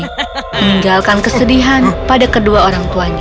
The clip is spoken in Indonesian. meninggalkan kesedihan pada kedua orang tuanya